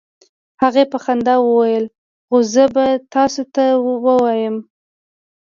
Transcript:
هغې په خندا وویل: "خو زه به تاسو ته ووایم،